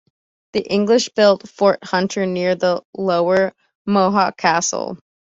The English built Fort Hunter near the Lower Mohawk Castle.